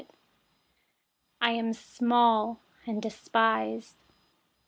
141I am small and despised.